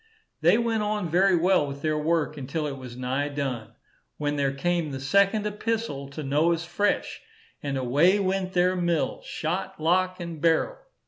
They went on very well with their work until it was nigh done, when there came the second epistle to Noah's fresh, and away went their mill, shot, lock, and barrel.